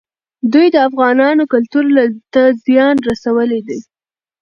دوی د افغانانو کلتور ته زیان رسولی دی.